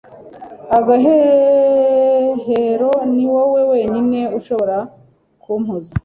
agahehero, ni wowe wenyine ushobora kumpoza